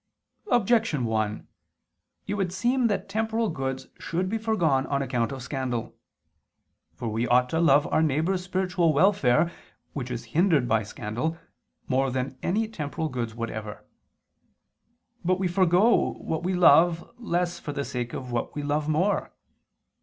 Objection 1: It would seem that temporal goods should be foregone on account of scandal. For we ought to love our neighbor's spiritual welfare which is hindered by scandal, more than any temporal goods whatever. But we forego what we love less for the sake of what we love more.